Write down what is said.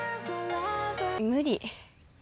無理。